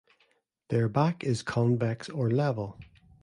Their back is convex or level.